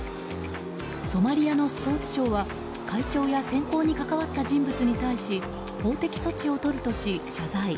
ソマリアのスポーツ省は会長や選考に関わった人物に対し法的措置をとるとし、謝罪。